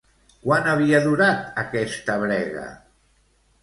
Quant havia durat aquesta brega?